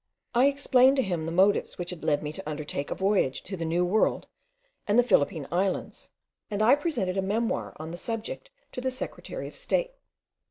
I explained to him the motives which led me to undertake a voyage to the new world and the Philippine Islands, and I presented a memoir on the subject to the secretary of state.